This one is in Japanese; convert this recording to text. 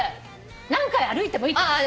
何回歩いてもいい。